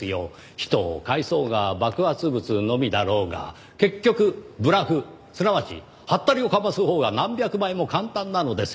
人を介そうが爆発物のみだろうが結局ブラフすなわちはったりをかますほうが何百倍も簡単なのですよ。